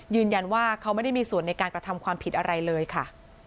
ยืนยันว่าเขาไม่ได้มีส่วนในการกระทำความผิดอะไรเลยค่ะ